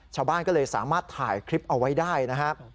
ชาวบ้านก็เลยสามารถถ่ายคลิปเอาไว้ได้นะครับ